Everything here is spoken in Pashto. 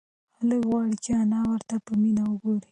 هلک غواړي چې انا ورته په مینه وگوري.